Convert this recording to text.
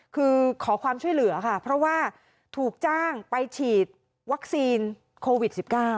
คือขอความช่วยเหลือค่ะเพราะว่าถูกจ้างไปฉีดวัคซีนโควิด๑๙